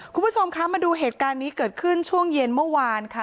คุณผู้ชมคะมาดูเหตุการณ์นี้เกิดขึ้นช่วงเย็นเมื่อวานค่ะ